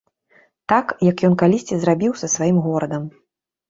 Так, як ён калісьці зрабіў са сваім горадам.